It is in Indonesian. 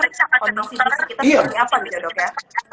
riksakan kondisi bisa kita seperti apa gitu ya dok ya